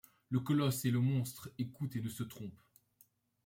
Le colosse, et le monstre écoute et ne se trompe